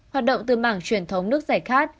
hoạt động từ mảng truyền thống nước giải khát